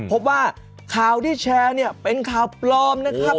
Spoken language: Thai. พบว่าข่าวที่แชร์เนี่ยเป็นข่าวปลอมนะครับ